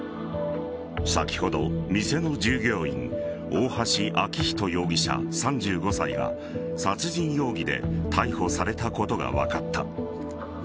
先ほど、店の従業員大橋昭仁容疑者、３５歳が殺人容疑で逮捕されたことが分かった。